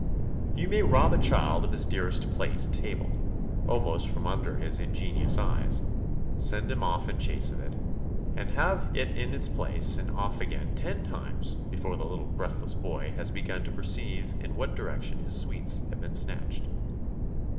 You may rob a child of his dearest plate at table, almost from under his ingenuous eyes, send him off in chase of it, and have it in its place and off again ten times before the little breathless boy has begun to perceive in what direction his sweets have been snatched.